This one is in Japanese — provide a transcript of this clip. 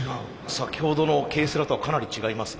先ほどのＫセラとはかなり違いますね。